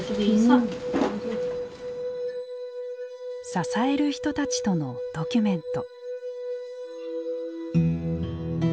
支える人たちとのドキュメント。